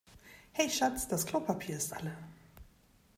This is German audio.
Hey Schatz, das Klopapier ist alle.